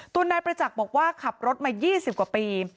นายประจักษ์บอกว่าขับรถมา๒๐กว่าปี